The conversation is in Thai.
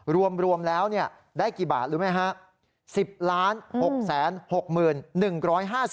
รวมแล้วเนี่ยได้กี่บาทรู้ไหมฮะ